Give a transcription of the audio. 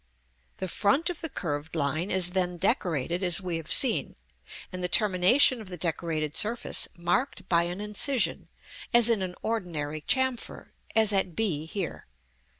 The front of the curved line is then decorated, as we have seen; and the termination of the decorated surface marked by an incision, as in an ordinary chamfer, as at b here.